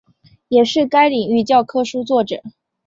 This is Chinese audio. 也是该领域教科书作者。